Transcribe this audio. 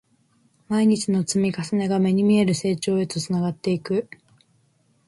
毎日の積み重ねが、目に見える成長へとつながっていく